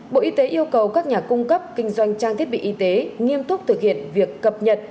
bộ y tế yêu cầu các nhà cung cấp kinh doanh trang thiết bị y tế nghiêm túc thực hiện việc cập nhật